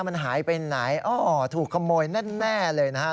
มันหายไปไหนอ้อถูกขโมยแน่เลยนะครับ